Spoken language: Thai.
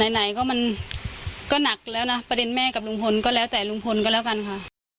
ไหนก็มันก็หนักแล้วนะประเด็นแม่กับลุงพลก็แล้วแต่ลุงพลก็แล้วกันค่ะ